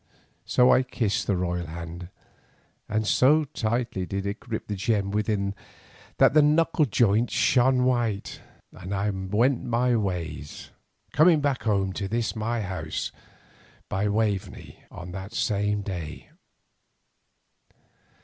So I kissed the royal hand, and so tightly did it grip the gem within that the knuckle joints shone white, and I went my ways, coming back home to this my house by the Waveney on that same day.